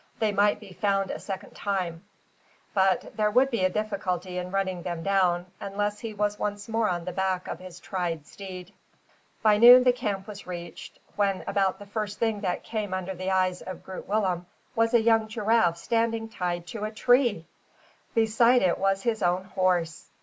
They might be found a second time; but there would be a difficulty in running them down, unless he was once more on the back of his tried steed. By noon the camp was reached, when about the first thing that came under the eyes of Groot Willem was a young giraffe standing tied to a tree! Beside it was his own horse!